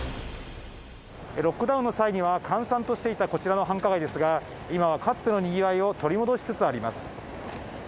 ロックダウンの際には、閑散としていたこちらの繁華街ですが、今はかつてのにぎわいを取り戻しつつあります。